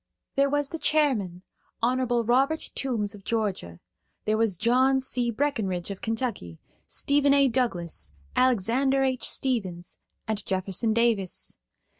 There was the chairman, Hon. Robert Toombs of Georgia; there was John C. Breckenridge of Kentucky, Stephen A. Douglas, Alexander H. Stevens, and Jefferson Davis.